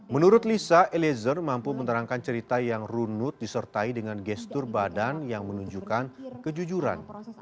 menurut lisa eliezer mampu menerangkan cerita yang runut disertai dengan gestur badan yang menunjukkan kejujuran